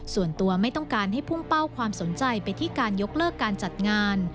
ส่วนตัวไม่ต้องการให้พุ่งเป้าความสนใจไปที่การยกเลิกการจัดงาน